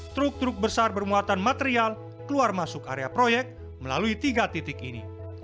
truk truk besar bermuatan material keluar masuk area proyek melalui tiga titik ini